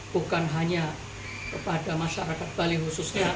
bukan hanya kepada masyarakat bali khususnya